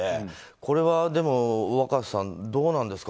これは、でも若狭さんどうなんですか？